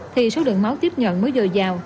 thì số đường máu tiếp nhận mới dồi dào